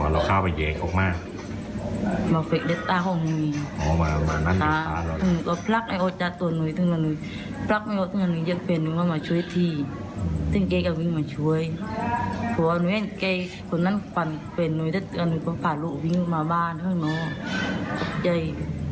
แล้วก็ปล่าโหลวิ้งวิงลูกมาบ้านข้างนอกขับใจ